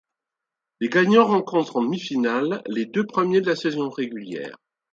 Les gagnants rencontrent en demi-finale les deux premiers de la saison régulière.